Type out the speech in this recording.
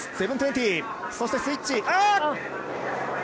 そして、スイッチ。